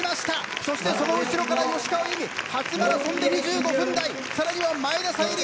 そしてその後ろから吉川侑美初マラソンで２５分台さらには前田彩里